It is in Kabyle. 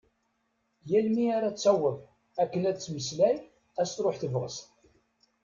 Yal mi ara d-taweḍ akken ad d-temmeslay as-truḥ tebɣest.